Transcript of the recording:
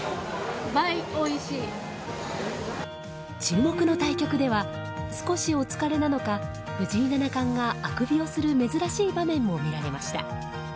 注目の対局では少しお疲れなのか藤井七冠があくびをする珍しい場面も見られました。